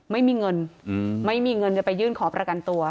ไม่มีเงินไม่มีเงินจะไปยื่นขอประกันตัว